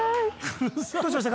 どうしました？